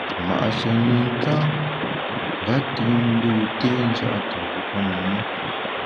Ma’she nùn ka nga tùn ndû té nja’ te ngu pamem ma.